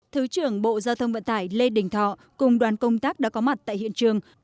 thứ trưởng bộ giao thông vận tải lê đình thọ cùng đoàn công tác đã có mặt tại hiện trường